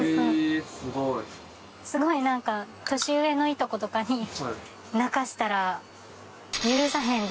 すごいなんか年上のいとことかに「泣かせたら許さへんで？」